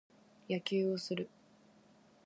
野球をする。